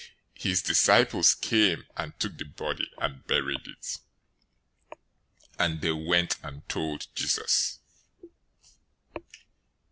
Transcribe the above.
014:012 His disciples came, and took the body, and buried it; and they went and told Jesus.